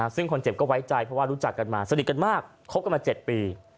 ซึ่งคนเจ็บก็ไว้ใจเพราะว่ารู้จักกันมาสนิทกันมากคบกันมา๗ปี